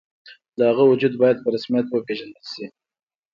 د هغه وجود باید په رسمیت وپېژندل شي.